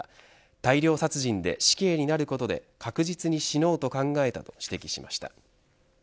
大量殺人で死刑になることで確実に死のうと考えたと指摘しました。